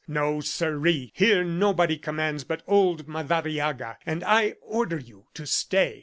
No, siree! Here nobody commands but old Madariaga, and I order you to stay.